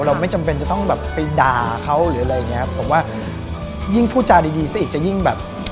เราไม่จำเป็นจะต้องไปด่าเขาหรืออะไรอย่างนี้ครับผมว่ายิ่งพูดจาดีซะอีก